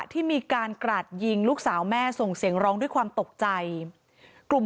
ที่มีการกราดยิงลูกสาวแม่ส่งเสียงร้องด้วยความตกใจกลุ่ม